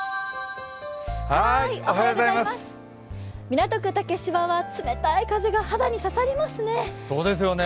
港区竹芝は冷たい風が肌に刺さりますね。